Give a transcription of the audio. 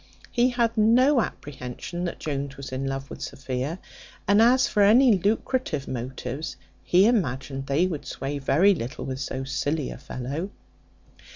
He had no apprehension that Jones was in love with Sophia; and as for any lucrative motives, he imagined they would sway very little with so silly a fellow.